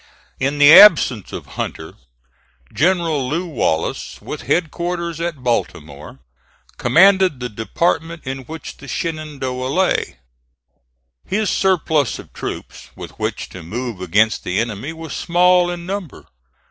In the absence of Hunter, General Lew Wallace, with headquarters at Baltimore, commanded the department in which the Shenandoah lay. His surplus of troops with which to move against the enemy was small in number.